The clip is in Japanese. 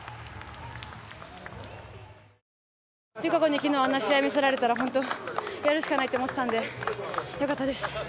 友香子に昨日あんな試合を見せられたら本当にやるしかないと思っていたのでよかったです。